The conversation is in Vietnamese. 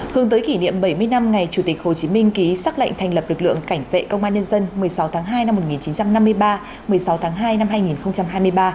hướng tới kỷ niệm bảy mươi năm ngày chủ tịch hồ chí minh ký xác lệnh thành lập lực lượng cảnh vệ công an nhân dân một mươi sáu tháng hai năm một nghìn chín trăm năm mươi ba một mươi sáu tháng hai năm hai nghìn hai mươi ba